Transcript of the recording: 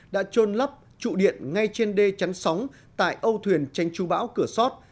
đã trôn lắp trụ điện ngay trên đê chắn sóng tại âu thuyền tranh chu bão cửa sót